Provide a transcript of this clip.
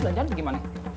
belanjaan apa gimana